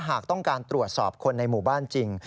หากต้องการตรวจสอบคนในหมู่บ้านจริง